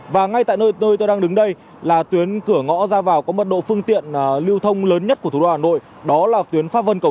và ngay tại nơi tôi tôi đang đứng đây là tuyến cửa ngõ ra vào có mật độ phương tiện lưu thông lớn nhất của thủ đô hà nội đó là tuyến pháp vân cầu